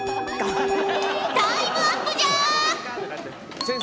タイムアップじゃ！